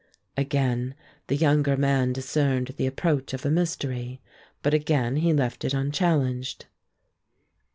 Again the younger man discerned the approach of a mystery, but again he left it unchallenged.